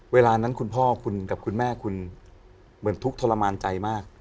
เวลานั้นคุณพ่อคุณกับคุณแม่คุณเหมือนทุกข์ทรมานใจมาก